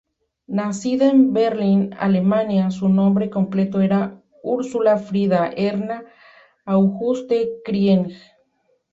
Nacida en Berlín, Alemania, su nombre completo era Ursula Frida Erna Auguste Krieg.